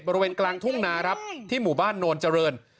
บริเวณกลางทุ่งนาครับที่หมู่บ้านโนนเจริญ